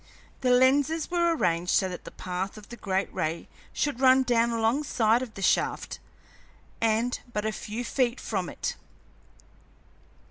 The lenses were arranged so that the path of the great ray should run down alongside of the shaft and but a few feet from it.